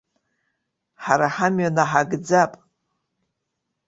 Ҳара ҳамҩа наҳагӡап.